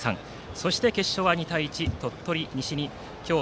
そして決勝は２対１で鳥取西に勝ちました。